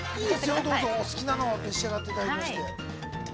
どうぞお好きなの召し上がっていただいて。